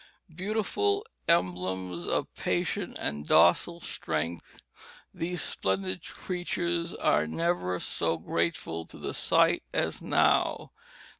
Beautiful emblems of patient and docile strength, these splendid creatures are never so grateful to the sight as now.